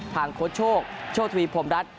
โค้ชโชคโชคทวีพรมรัฐ